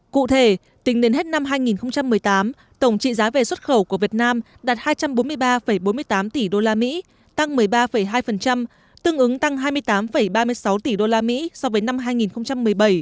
cụ thể tính đến hết năm hai nghìn một mươi tám tổng trị giá về xuất khẩu của việt nam đạt hai trăm bốn mươi ba bốn mươi tám tỷ usd tăng một mươi ba hai tương ứng tăng hai mươi tám ba mươi sáu tỷ usd so với năm hai nghìn một mươi bảy